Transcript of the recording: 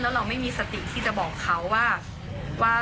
แล้วเราไม่มีสติที่จะบอกเขาว่า